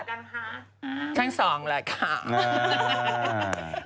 ทั้งสองแหละค่ะ